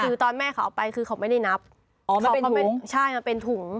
คือตอนแม่เขาเอาไปคือเขาไม่ได้นับอ๋อไม่ใช่มันเป็นถุง